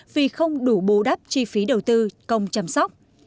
vì không đủ bù đắp chi phí đầu tư công chăm sóc